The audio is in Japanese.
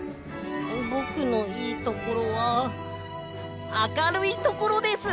ぼくのいいところはあかるいところです！